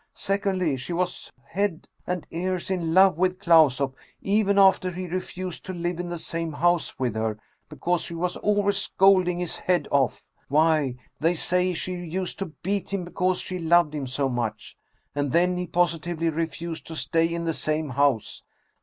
Sec ondly, she was head and ears in love with Klausoff, even after he refused to live in the same house with her, because she was always scolding his head off. Why, they say she used to beat him because she loved him so much. And then he positively refused to stay in the same house.